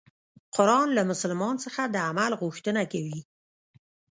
قرآن له مسلمان څخه د عمل غوښتنه کوي.